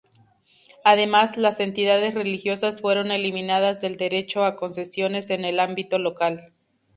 Además, las entidades religiosas fueron eliminadas del derecho a concesiones en el ámbito local.